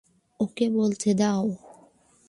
ওকে বলতে দাও।